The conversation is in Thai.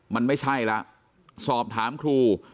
มันไม่ใช่แล้วสอบถามครู